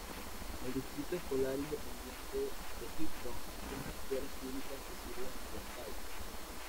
El Distrito Escolar Independiente de Houston gestiona escuelas públicas que sirven Downtown.